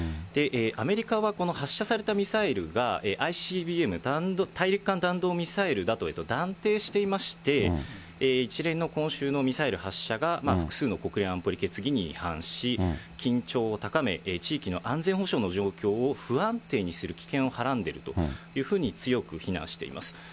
アメリカはこの発射されたミサイルが、ＩＣＢＭ・大陸間弾道ミサイルだと断定していまして、一連の今週のミサイル発射が複数の国連安保理決議に違反し、緊張を高め、地域の安全保障の状況を不安定にする危険をはらんでいるというふうに強く非難しています。